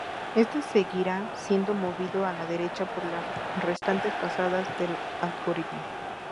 Este seguirá siendo movido a la derecha por las restantes pasadas del algoritmo.